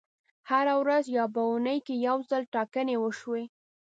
هره ورځ یا په اونۍ کې یو ځل ټاکنې وشي.